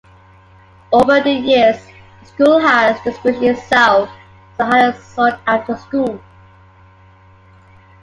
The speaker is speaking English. Over the years, the school has distinguished itself as a highly sought after school.